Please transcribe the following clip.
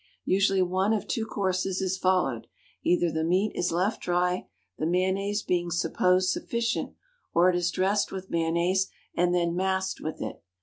Usually one of two courses is followed: either the meat is left dry, the mayonnaise being supposed sufficient, or it is dressed with mayonnaise and then masked with it.